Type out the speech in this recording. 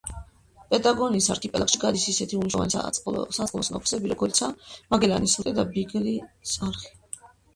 პატაგონიის არქიპელაგში გადის ისეთი უმნიშვნელოვანესი საწყლოსნო გზები, როგორებიცაა მაგელანის სრუტე და ბიგლის არხი.